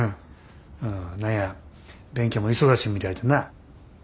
何や勉強も忙しみたいでな。